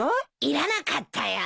いらなかったよ。